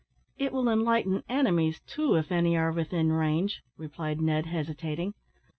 "It will enlighten enemies, too, if any are within range," replied Ned, hesitating.